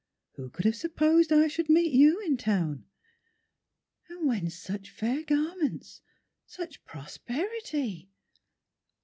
Who could have supposed I should meet you in Town? And whence such fair garments, such prosperi ty?"